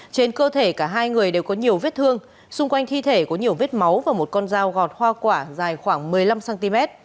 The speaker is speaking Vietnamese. trên cơ thể cả hai người đều có nhiều vết thương xung quanh thi thể có nhiều vết máu và một con dao gọt hoa quả dài khoảng một mươi năm cm